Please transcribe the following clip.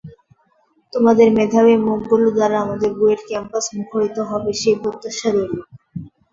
তোমাদের মেধাবী মুখগুলো দ্বারা আমাদের বুয়েট ক্যাম্পাস মুখরিত হবে, সেই প্রত্যশা রইল।